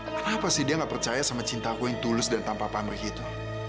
kenapa sih dia nggak percaya sama cintaku yang tulus dan tanpa pamrik itu